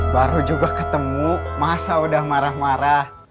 baru juga ketemu masa udah marah marah